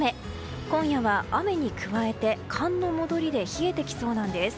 今夜は雨に加えて寒の戻りで冷えてきそうなんです。